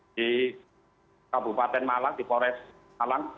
di kabupaten malang di polres malang